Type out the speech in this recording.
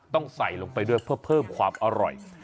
ต้องใส่ลงไปด้วยเพื่อเพิ่มความอร่อย